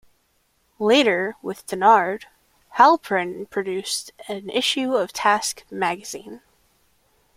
Later, with Tunnard, Halprin produced an issue of Task magazine.